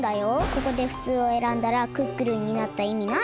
ここでフツウをえらんだらクックルンになったいみないよ。